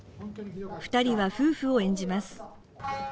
２人は夫婦を演じます。